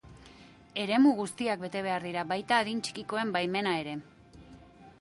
Eremu guztiak bete behar dira, baita adin txikikoen baimena ere.